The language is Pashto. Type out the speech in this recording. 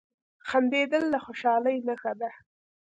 • خندېدل د خوشحالۍ نښه ده.